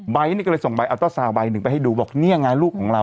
ใบร์ทนี่ก็เลยส่งใบร์ทเอาเจ้าซาบ้างหนึ่งไปให้ดูบอกเนี่ยไงลูกของเรา